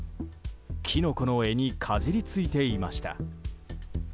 キノコの柄にかじりついていました。